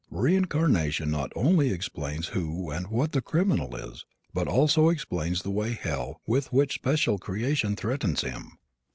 Reincarnation not only explains who and what the criminal is but it also explains away the hell with which special creation threatens him.